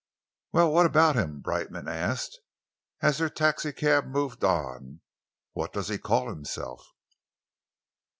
"Well, what about him?" Brightman asked, as their taxicab moved on. "What does he call himself?"